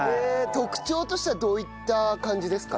特徴としてはどういった感じですか？